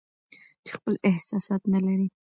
چې خپل احساسات نه لري